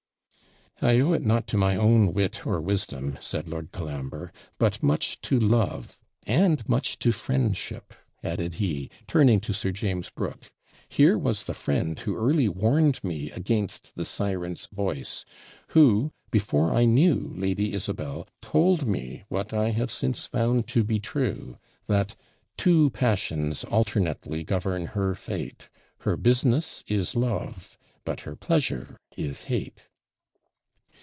'I owe it not to my own wit or wisdom,' said Lord Colambre; 'but much to love, and much to friendship,' added he, turning to Sir James Brooke; 'here was the friend who early warned me against the siren's voice; who, before I knew Lady Isabel, told me what I have since found to be true, that, 'Two passions alternately govern her fate Her business is love, but her pleasure is hate.'